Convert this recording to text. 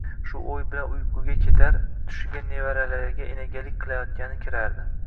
Shu o`y bilan uyquga ketar, tushiga nevaralariga enagalik qilayotgani kirardi